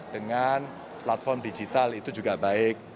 dengan platform digital itu juga baik